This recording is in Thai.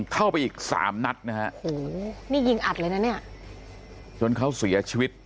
เข้าไปอีกสามนัดนะฮะโหนี่ยิงอัดเลยนะเนี่ย